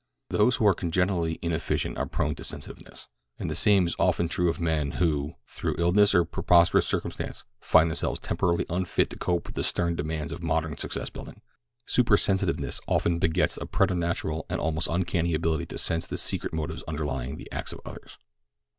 Those who are congenitally inefficient are prone to sensitiveness, and the same is often true of men who, through illness or preposterous circumstance, find themselves temporarily unfit to cope with the stern demands of modern success building. Supersensitiveness ofttimes begets a preternatural and almost uncanny ability to sense the secret motives underlying the acts of others.